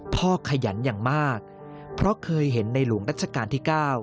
ขยันอย่างมากเพราะเคยเห็นในหลวงรัชกาลที่๙